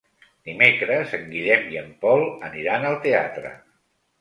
Divendres en Guillem i en Pol aniran al teatre.